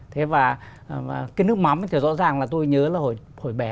thế và cái nước mắm thì rõ ràng là tôi nhớ là hồi bé